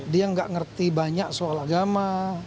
dia tidak mengerti banyak soal agama